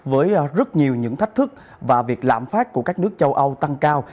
với rất nhiều những thách thức và việc lạm phát của các nước châu âu tăng cao